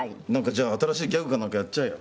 じゃあ新しいギャグかなんかやっちゃえよ。